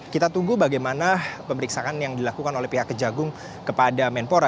kita tunggu bagaimana pemeriksaan yang dilakukan oleh pihak kejagung kepada menpora